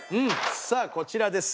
さあこちらです。